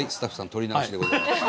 撮り直しでございます。